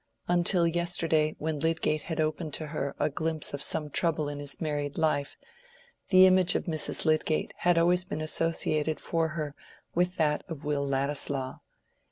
Until yesterday when Lydgate had opened to her a glimpse of some trouble in his married life, the image of Mrs. Lydgate had always been associated for her with that of Will Ladislaw.